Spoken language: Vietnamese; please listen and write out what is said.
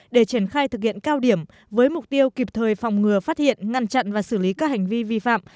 để triển khai thực hiện cao điểm với mục tiêu kịp thời phòng ngừa phát hiện ngăn chặn và xử lý các hành vi vi phạm